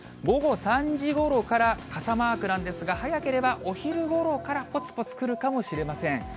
午後３時ごろから傘マークなんですが、早ければお昼ごろからぽつぽつ降るかもしれません。